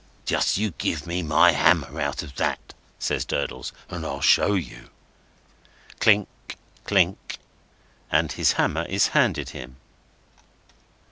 "Just you give me my hammer out of that," says Durdles, "and I'll show you." Clink, clink. And his hammer is handed him.